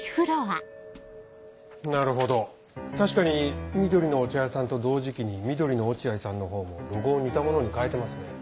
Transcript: なるほど確かに「緑のお茶屋さん」と同時期に「緑のおチアイさん」の方もロゴを似たものに変えてますね。